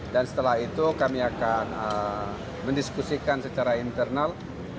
dan setelah itu kami akan mendiskusikan secara internal